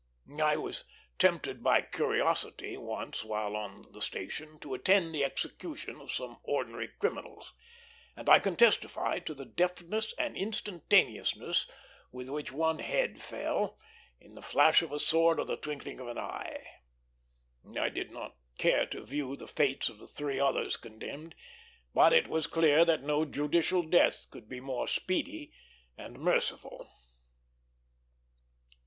I was tempted by curiosity, once while on the station, to attend the execution of some ordinary criminals; and I can testify to the deftness and instantaneousness with which one head fell, in the flash of a sword or the twinkling of an eye. I did not care to view the fates of the three others condemned, but it was clear that no judicial death could be more speedy and merciful.